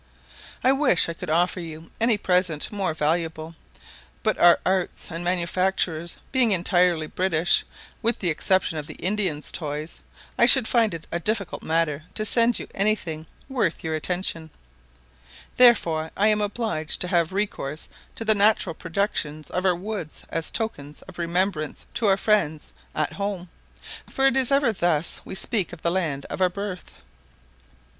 I wish I could offer you any present more valuable, but our arts and manufactures being entirely British, with the exception of the Indians' toys, I should find it a difficult matter to send you any thing worth your attention; therefore I am obliged to have recourse to the natural productions of our woods as tokens of remembrance to our friends at home, for it is ever thus we speak of the land of our birth.